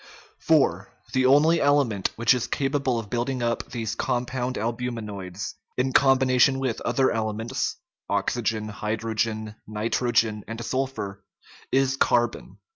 IV. The only element which is capable of building up these compound albuminates, in combination with other elements (oxygen, hydrogen, nitrogen, and sul phur), is carbon.